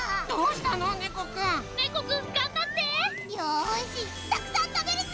どうしたのねこくん。ね